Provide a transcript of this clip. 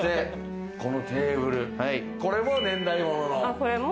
このテーブル、これも年代物